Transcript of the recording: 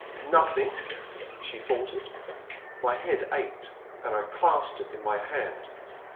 "Nothing," — she faltered. My head ached and I clasped it in my hand.